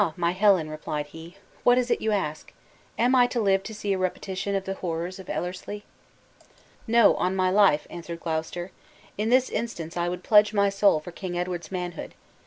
my Helen," replied he, "what is it you ask? Am I to live to see a repetition of the horrors of Ellerslie?" "No, on my life," answered Glouceseter; "in this instance I would pledge my soul for King Edward's manhood.